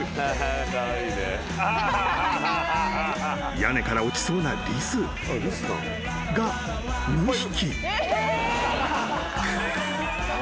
［屋根から落ちそうなリスが２匹］